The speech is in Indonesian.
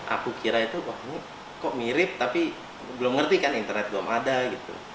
aku kira itu wah ini kok mirip tapi belum ngerti kan internet belum ada gitu